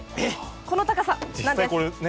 この高さなんです。